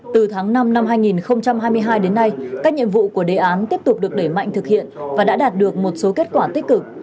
từ tháng năm năm hai nghìn hai mươi hai đến nay các nhiệm vụ của đề án tiếp tục được đẩy mạnh thực hiện và đã đạt được một số kết quả tích cực